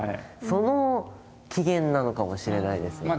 その起源なのかもしれないですね。